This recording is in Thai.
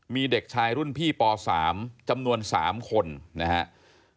มีเด็กชายรุ่นพี่ป๓จำนวน๓คนนะครับ